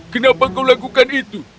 kenapa kau lakukan itu